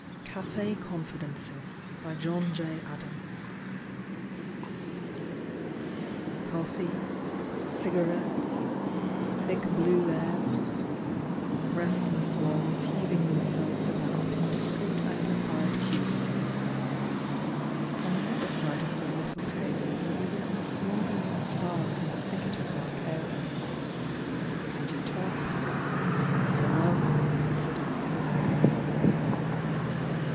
CAFE CONFIDENCES. /'^OFFEE — Cigarettes — Thick blue air —^>^ Restless walls heaving themselves about in discreet anglified cubism. On the other side of the little table you were A smouldering spark and a thicket of black hair. And you talked — a farrago of considered cynicism.